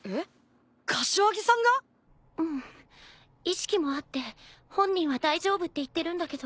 意識もあって本人は大丈夫って言ってるんだけど。